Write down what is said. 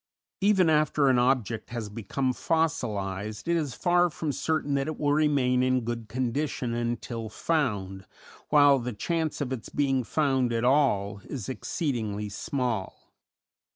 Even after an object has become fossilized, it is far from certain that it will remain in good condition until found, while the chance of its being found at all is exceedingly small.